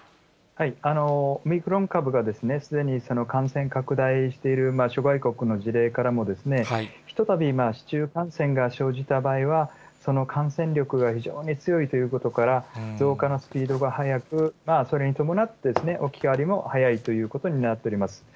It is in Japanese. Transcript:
オミクロン株がすでに感染拡大している諸外国の事例からも、ひとたび市中感染が生じた場合は、その感染力が非常に強いということから、増加のスピードが速く、それに伴って、置き換わりも速いということになっております。